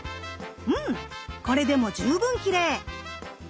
うんこれでも十分きれい！